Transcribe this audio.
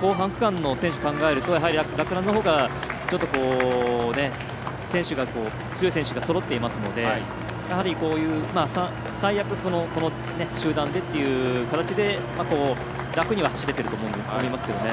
後半区間の選手を考えると洛南のほうがちょっと、強い選手がそろっていますので最悪、この集団でっていう形で楽には走れてると思いますけどね。